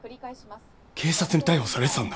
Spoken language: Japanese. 警察に逮捕されてたんだ！